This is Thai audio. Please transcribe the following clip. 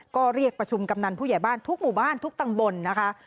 ก็เรียกประชุมกำนันผู้ใหญ่บ้านทุกหมู่บ้านทุกตำบลนะคะ